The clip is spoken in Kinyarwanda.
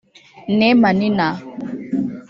Neema Nina